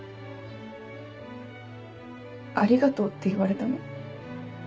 「ありがとう」って言われたの。